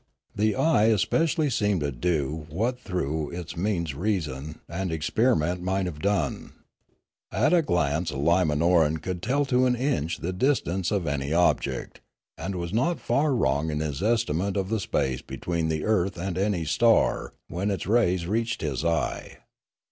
The eye especially seemed to do what through its means reason and experiment might have done. At a glance a Limanoran would tell to an inch the distance of any object, and was not far wrong in his estimate of the space between the earth and any star when its rays reached his eye.